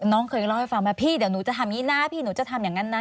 น้องเคยเล่าให้ฟังไหมพี่เดี๋ยวหนูจะทำอย่างนี้นะพี่หนูจะทำอย่างนั้นนะ